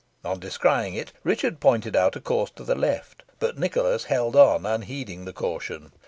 On descrying it, Richard pointed out a course to the left, but Nicholas held on, unheeding the caution.